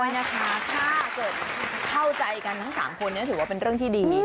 นะคะถ้าเกิดเข้าใจกันทั้ง๓คนนี้ถือว่าเป็นเรื่องที่ดี